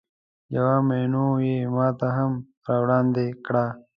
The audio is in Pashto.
یوه مینو یې ماته هم راوړاندې کړه.